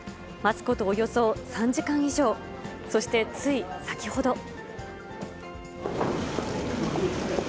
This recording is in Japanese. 待つことおよそ３時間以上、そしてつい先ほど。